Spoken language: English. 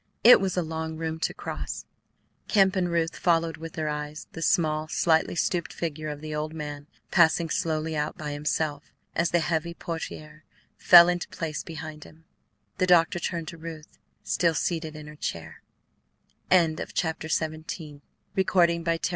It was a long room to cross. Kemp and Ruth followed with their eyes the small, slightly stooped figure of the old man passing slowly out by himself. As the heavy portiere fell into place behind him, the doctor turned to Ruth, still seated in her chair. Chapter XVIII She was perfectly still.